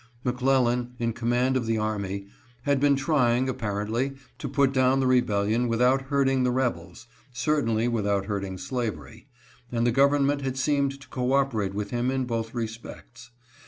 McClellan, in command of the army, had been trying, apparently, to put down the rebel lion without hurting the rebels, certainly without hurting slavery, and the government had seemed to cooperate with him in both respects.